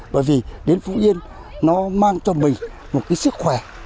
bởi vì đến phú yên nó mang cho mình một cái sức khỏe